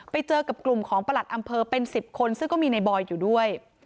ไปเจอกับกลุ่มของประหลัดอำเภอเป็น๑๐คนซึ่งก็มีในบอยอยู่ด้วย